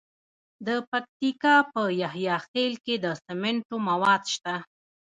د پکتیکا په یحیی خیل کې د سمنټو مواد شته.